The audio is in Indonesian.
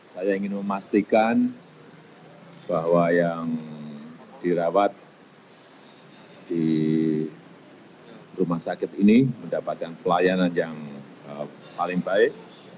saya ingin memastikan bahwa yang dirawat di rumah sakit ini mendapatkan pelayanan yang paling baik